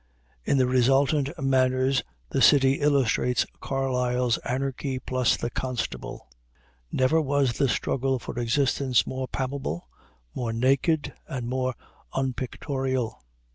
In the resultant manners the city illustrates Carlyle's "anarchy plus the constable." Never was the struggle for existence more palpable, more naked, and more unpictorial.